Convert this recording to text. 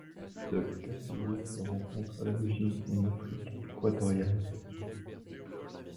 Ce caféier se rencontre à l'origine en Afrique équatoriale.